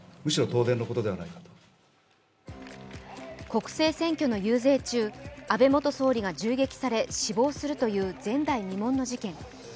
国政選挙の遊説中安倍元総理が銃撃され死亡するという前代未聞の事件。